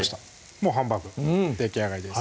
もうハンバーグできあがりです